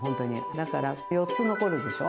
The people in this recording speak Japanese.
だから４つ残るでしょ？